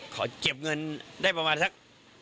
เขาเก็บเงินได้ประมาณสัก